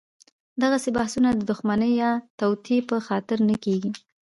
دغسې بحثونه د دښمنۍ یا توطیې په خاطر نه کېږي.